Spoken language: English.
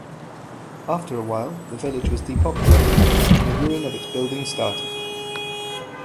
After a while, the village was depopulated and the ruin of its buildings started.